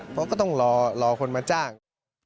เพราะก็ต้องรอคนมาจ้าง